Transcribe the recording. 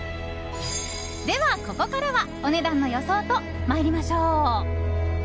では、ここからはお値段の予想と参りましょう。